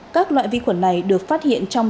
các loại vi khuẩn này được phát hiện trong